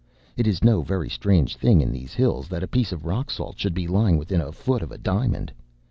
It is no very strange thing in these hills that a piece of rock salt should be lying within a foot of a diamond.